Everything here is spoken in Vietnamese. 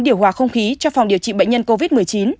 điều hòa không khí cho phòng điều trị bệnh nhân covid một mươi chín